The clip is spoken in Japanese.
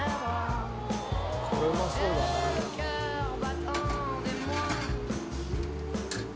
これうまそうだね。